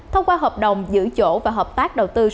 thông qua hợp đồng giữ chỗ và hợp tác đầu tư